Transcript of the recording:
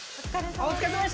お疲れさまでした。